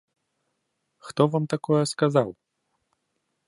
Хто вам такое сказаў?